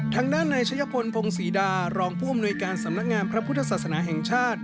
ทางด้านนายชะยพลพงศรีดารองผู้อำนวยการสำนักงานพระพุทธศาสนาแห่งชาติ